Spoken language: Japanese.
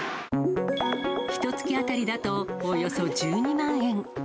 ひとつき当たりだとおよそ１２万円。